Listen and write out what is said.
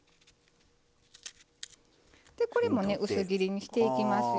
でこれもね薄切りにしていきますよ。